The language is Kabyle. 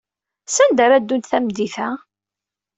Sanda ara ddunt tameddit-a?